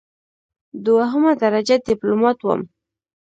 دوهمه درجه ډیپلوماټ وم.